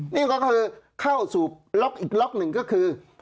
นี่ก็คือเข้าสู่ล็อกอีกล็อกหนึ่งก็คือ